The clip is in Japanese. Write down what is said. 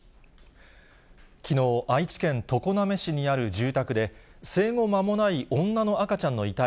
きのう、愛知県常滑市にある住宅で、生後間もない女の赤ちゃんの遺体